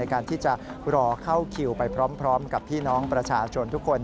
การที่จะรอเข้าคิวไปพร้อมกับพี่น้องประชาชนทุกคน